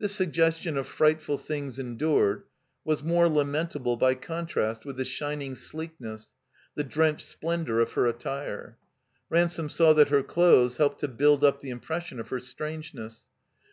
This suggestion of frightful things endured was more lamentable by contrast with the shining sleek ness, the drenched splendor of her attire. Ransome saw that her clothes helped to build up the im pression of her strangeness.